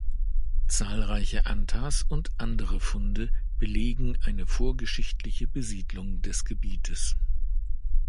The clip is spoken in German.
Zahlreiche Antas und andere Funde belegen eine vorgeschichtliche Besiedlung des Gebietes.